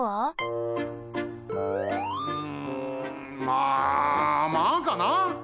うんまあまあかな？